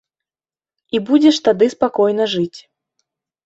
І будзеш тады спакойна жыць.